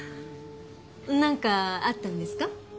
なんかあったんですか？